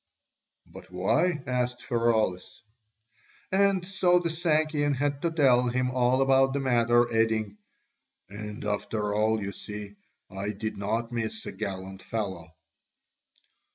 "But why?" asked Pheraulas. And so the Sakian had to tell him all about the matter, adding, "And after all, you see, I did not miss a gallant fellow."